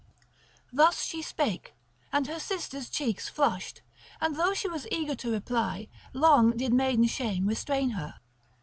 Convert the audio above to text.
Thus she spake, and her sister's cheeks flushed; and though she was eager to reply, long did maiden shame restrain her.